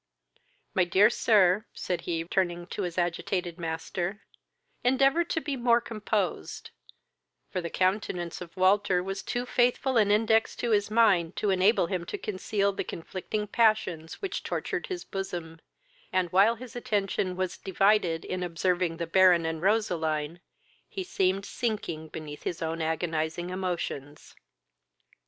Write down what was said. My dear sir, (said he, turning to his agitated master,) endeavour to be more composed:" for the countenance of Walter was too faithful an index to his mind to enable him to conceal the conflicting passions which tortured his bosom, and, while his attention was divided in observing the Baron and Roseline, he seemed sinking beneath his own agonizing emotions.